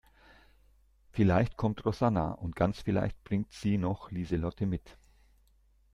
Vielleicht kommt Rosanna und ganz vielleicht bringt sie noch Lieselotte mit.